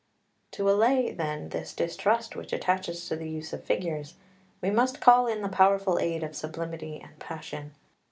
] 2 To allay, then, this distrust which attaches to the use of figures we must call in the powerful aid of sublimity and passion.